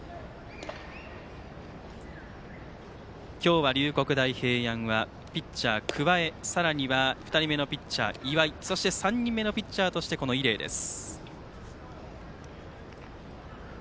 今日は龍谷大平安はピッチャー、桑江２人目のピッチャー、岩井そして３人目のピッチャーとしてこの伊禮です。